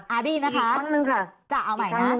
อาร์ดีนะคะอีกครั้งนึงค่ะ